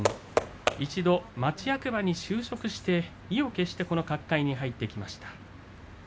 一度、町役場に就職して意を決して角界に入ってきました。